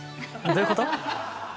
どういうこと？